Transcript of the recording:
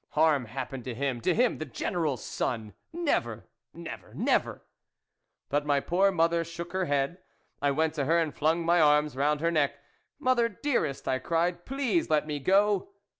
Harm happen to him, to him, the General's son ? Never, never, never !" But my poor mother shook her head ; I went to her and flung my arms round her neck. " Mother, dearest," I cried, " please let me go."